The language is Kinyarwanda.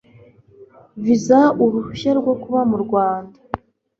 viza uruhushya rwo kuba mu Rwanda